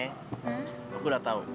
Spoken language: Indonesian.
aku udah tau